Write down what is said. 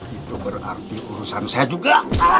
itu berarti urusan saya juga